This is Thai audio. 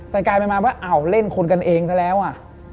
แต่กลายมาว่าเล่นคนกันเองซะแล้วอ่ะ